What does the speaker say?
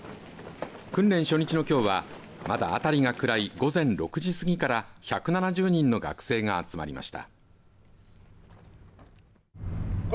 訓練初日のきょうはまだ辺りが暗い午前６時過ぎから１７０人の学生が集まりました。